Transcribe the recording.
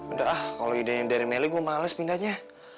udah lah kalo idenya dari melly gue males pindahnya